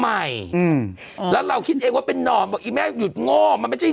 ใหม่อืมแล้วเราคิดเองว่าเป็นนอนบอกอีแม่หยุดโง่มันไม่ใช่